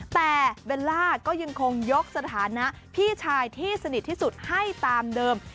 แต่เบลล่าก็ยังคงยกสถานะพี่ชายที่สนิทที่สุดให้ตามเดิม